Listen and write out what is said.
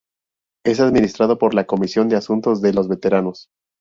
Es administrado por la Comisión de Asuntos de los Veteranos.